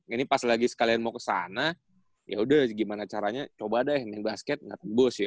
ini pas lagi sekalian mau kesana yaudah gimana caranya coba deh main basket ga tembus ya